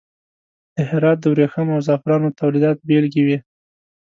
د هرات د وریښمو او زغفرانو تولیداتو بیلګې وې.